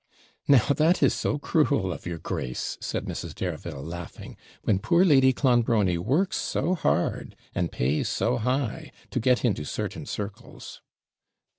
'Now that is so cruel of your grace,' said Mrs. Dareville, laughing, 'when poor Lady Clonbrony works so hard, and pays so high, to get into certain circles.'